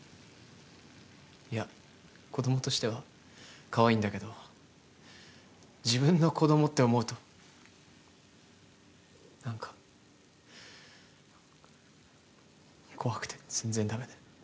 いや子供としてはかわいいんだけど自分の子供って思うとなんか怖くて全然駄目で。